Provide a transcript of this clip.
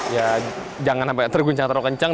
ya jangan sampai terguncang terlalu kencang